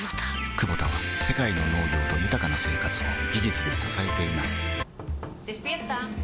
クボタは世界の農業と豊かな生活を技術で支えています起きて。